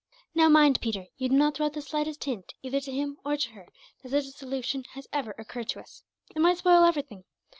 "Now mind, Peter, you do not throw out the slightest hint, either to him or to her, that such a solution has ever occurred to us. It might spoil everything.